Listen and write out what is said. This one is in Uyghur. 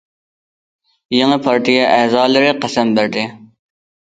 يېڭى پارتىيە ئەزالىرى قەسەم بەردى.